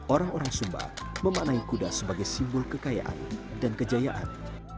orang orang sumba memaknai kuda sebagai simbol kekayaan dan kejayaan